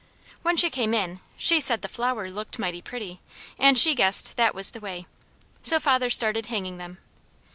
When she came in she said the flower looked mighty pretty, and she guessed that was the way, so father started hanging them.